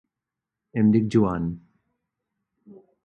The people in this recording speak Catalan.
Em dic Joan.